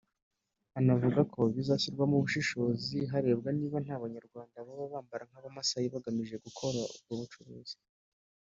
Anavuga ko bizanashyirwamo ubushishozi harebwa niba nta banyarwanda baba bambara nk’abamasayi bagamije gukora ubwo bucuruzi